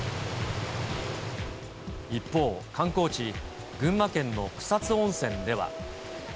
一方、観光地、群馬県の草津温泉では。